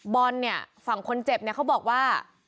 บอลเนี่ยฝั่งคนเจ็บเนี่ยเขาบอกว่า